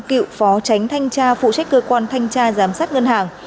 cựu phó tránh thanh tra phụ trách cơ quan thanh tra giám sát ngân hàng